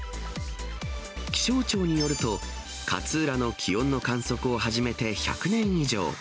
気象庁によると、勝浦の気温の観測を始めて１００年以上。